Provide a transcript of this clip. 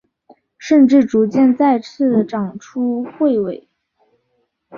甚至逐渐再次长出彗尾。